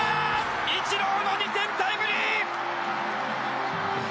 イチローの２点タイムリー！